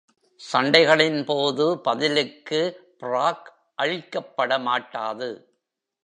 சண்டைகளின் போது பதிலுக்கு ப்ராக் அழிக்கப்பட மாட்டாது.